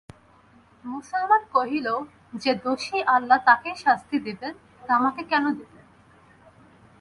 মুসলমান কহিল, যে দোষী আল্লা তাকেই শাস্তি দেবেন, আমাকে কেন দেবেন?